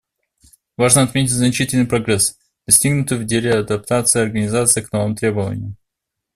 Важно отметить значительный прогресс, достигнутый в деле адаптации Организации к новым требованиям.